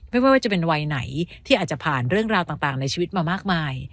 ไม่ว่าจะเป็นวัยไหนที่อาจจะผ่านเรื่องราวต่างในชีวิตมามากมาย